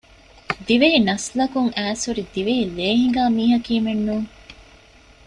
ދިވެހި ނަސްލަކުން އައިސްހުރި ދިވެހި ލޭހިނގާ މީހަކީމެއް ނޫން